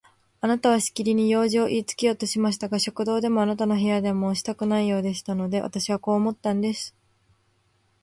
あなたはしきりに用事をいいつけようとされましたが、食堂でもあなたの部屋でもしたくないようでしたので、私はこう思ったんです。